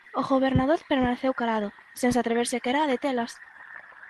O gobernador permaneceu calado, sen se atrever sequera a detelas.